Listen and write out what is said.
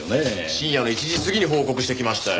深夜の１時過ぎに報告してきましたよ。